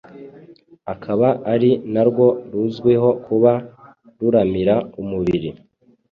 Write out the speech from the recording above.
akaba ari narwo ruzwiho kuba ruramira umuburi